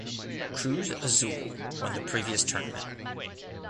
Cruz Azul won the previous tournament.